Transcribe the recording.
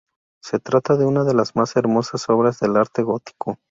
Se trata de una de las más hermosas obras del arte gótico.